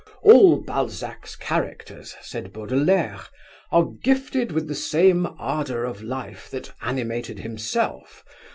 'All Balzac's characters;' said Baudelaire, 'are gifted with the same ardour of life that animated himself.